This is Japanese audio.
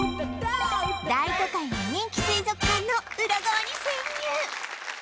大都会の人気水族館のウラ側に潜入